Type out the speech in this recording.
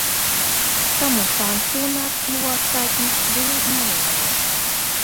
Таму шанцы ў нас і ў астатніх былі няроўныя.